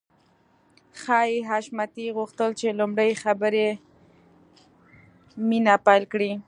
ښايي حشمتي غوښتل چې لومړی خبرې مينه پيل کړي.